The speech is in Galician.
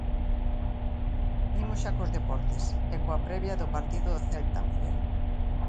Imos xa cos deportes, e coa previa do partido do Celta, Miguel.